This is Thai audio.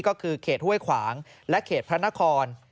ก็คือเขตห้วยขวางและเขตพระนคร